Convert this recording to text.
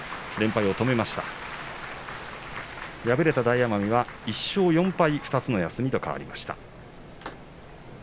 敗れた大奄美２勝４敗と２つの休みと変わりました。